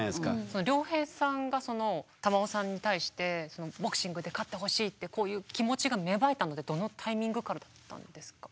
良平さんが瑶生さんに対してボクシングで勝ってほしいってこういう気持ちが芽生えたのってどのタイミングからだったんですか？